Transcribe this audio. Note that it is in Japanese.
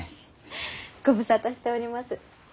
ご無沙汰しております。